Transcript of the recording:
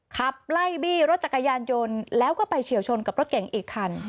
ขับไล่บี้รถจักรยานยนต์แล้วก็ไปเฉียวชนกับรถเก่งอีกคัน